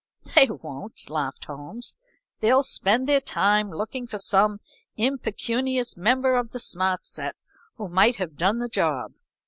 "They won't," laughed Holmes. "They'll spend their time looking for some impecunious member of the smart set who might have done the job.